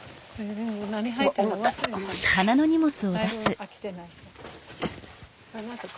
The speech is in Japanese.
はい。